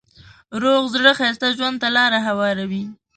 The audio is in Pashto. روغ زړه ښایسته ژوند ته لاره هواروي.